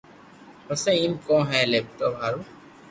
پسي ايم ڪون ھي آپ ھارو